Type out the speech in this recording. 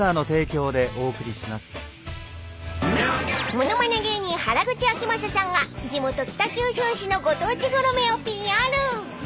［物まね芸人原口あきまささんが地元北九州市のご当地グルメをＰＲ］